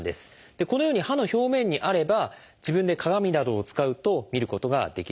このように歯の表面にあれば自分で鏡などを使うと見ることができるんです。